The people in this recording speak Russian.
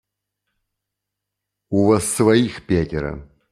У вас своих пятеро.